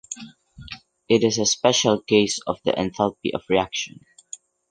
It is a special case of the enthalpy of reaction.